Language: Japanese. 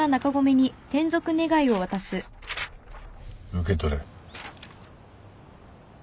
受け取れ。